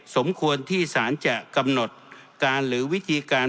สมควรที่สารจะกำหนดการหรือวิธีการ